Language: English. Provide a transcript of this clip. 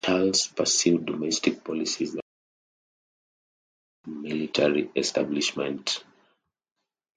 Charles pursued domestic policies that assisted the growth of his military establishment.